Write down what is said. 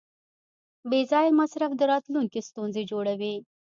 بېځایه مصرف د راتلونکي ستونزې جوړوي.